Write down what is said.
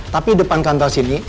tapi depan kantor sini